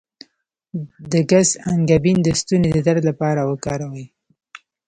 د ګز انګبین د ستوني د درد لپاره وکاروئ